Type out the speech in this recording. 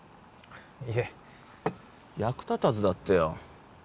いえ役立たずだってよ